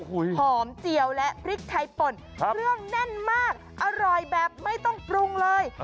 หอมเจียวและพริกไทยป่นเครื่องแน่นมากอร่อยแบบไม่ต้องปรุงเลย